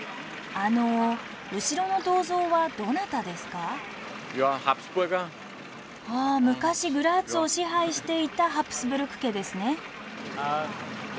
あ昔グラーツを支配していたハプスブルク家ですね。